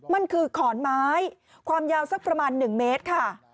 มันคือขอนไม้ความยาวสักประมาณ๑เมตรค่ะ